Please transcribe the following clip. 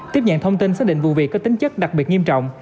tiếp nhận thông tin xác định vụ việc có tính chất đặc biệt nghiêm trọng